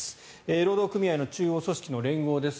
労働組合の中央組織の連合です。